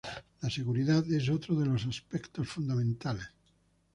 La seguridad es otro de los aspectos fundamentales.